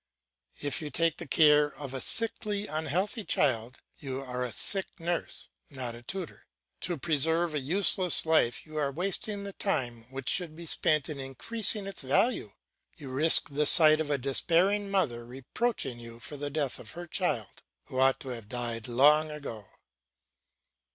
If you take the care of a sickly, unhealthy child, you are a sick nurse, not a tutor. To preserve a useless life you are wasting the time which should be spent in increasing its value, you risk the sight of a despairing mother reproaching you for the death of her child, who ought to have died long ago.